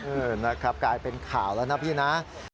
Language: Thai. เออนะครับกลายเป็นข่าวแล้วนะพี่นะ